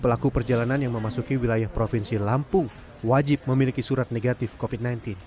pelaku perjalanan yang memasuki wilayah provinsi lampung wajib memiliki surat negatif covid sembilan belas